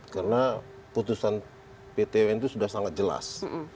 karena putusan ptw itu sudah sangat jelas